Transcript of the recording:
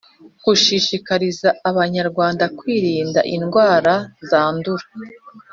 Gushishikariza abanyarwanda kwirinda indwara zandura